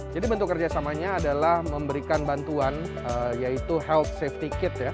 jadi bentuk kerjasamanya adalah memberikan bantuan yaitu health safety kit